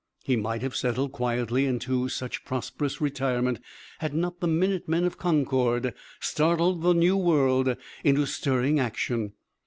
He might have settled quietly into such prosperous retirement had not the minutemen of Concord startled the new world into stirring action.